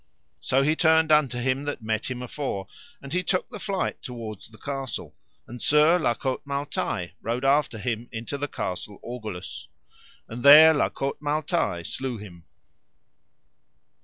So he turned unto him that met him afore, and he took the flight towards the castle, and Sir La Cote Male Taile rode after him into the Castle Orgulous, and there La Cote Male Taile slew him.